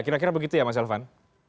kira kira begitu ya mas elvan